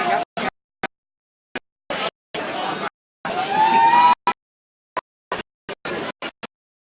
ขอบคุณครับ